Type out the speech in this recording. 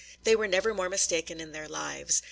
They were never more mistaken in their lives.